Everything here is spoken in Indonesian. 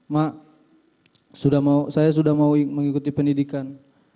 mak saya sudah mau mengikuti pendidikan